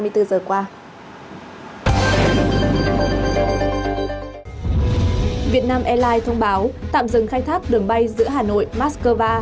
việt nam airlines thông báo tạm dừng khai thác đường bay giữa hà nội moscow